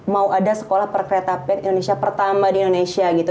mau ada sekolah perkereta pit indonesia pertama di indonesia gitu